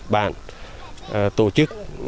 bạn tổ chức